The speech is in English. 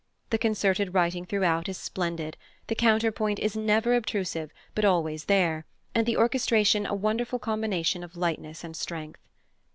The concerted writing throughout is splendid the counterpoint is never obtrusive, but always there, and the orchestration a wonderful combination of lightness and strength.